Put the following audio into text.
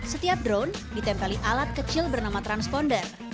setiap drone ditempeli alat kecil bernama transponder